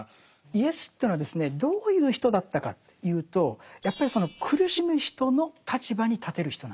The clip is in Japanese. イエスというのはですねどういう人だったかというとやっぱりその苦しむ人の立場に立てる人なんですよ。